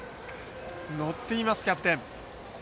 乗っています、キャプテン。